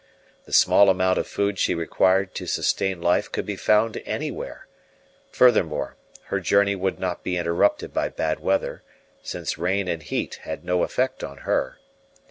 The small amount of food she required to sustain life could be found anywhere; furthermore, her journey would not be interrupted by bad weather, since rain and heat had no effect on her.